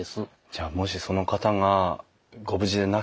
じゃあもしその方がご無事でなければ。